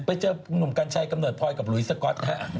ไปเจอหนุ่มกัญชัยกำเนิดพลอยกับหลุยสก๊อตฮะ